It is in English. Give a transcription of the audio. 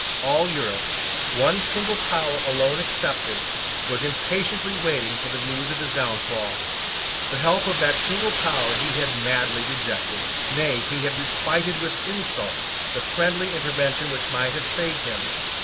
All Europe, one single power alone excepted, was impatiently waiting for the news of his downfall. The help of that single power he had madly rejected. Nay, he had requited with insult the friendly intervention which might have saved him.